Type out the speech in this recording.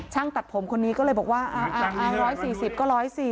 ตัดผมคนนี้ก็เลยบอกว่า๑๔๐ก็๑๔๐